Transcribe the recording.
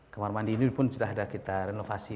kamar mandi ini pun sudah ada kita renovasi